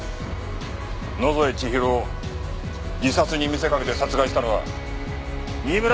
野添千尋を自殺に見せかけて殺害したのは新村